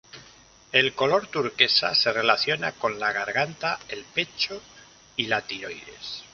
El color turquesa se relaciona con la garganta, el pecho y la tiroides.